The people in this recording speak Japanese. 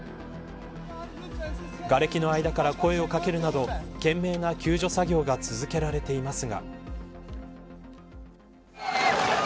がれきの間から声を掛けるなど懸命な救助作業が続けられていますが。